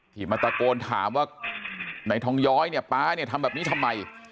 ที่มาตะโกนถามว่าในทองย้อยเนี่ยป๊าเนี่ยทำแบบนี้ทำไม